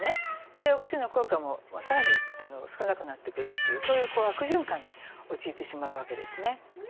お薬の効果も更に少なくなってくるっていうそういう悪循環に陥ってしまうわけですね。